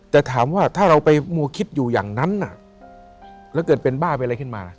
แต่ถามว่าถ้าเราไปมัวคิดอยู่อย่างนั้นแล้วเกิดเป็นบ้าเป็นอะไรขึ้นมา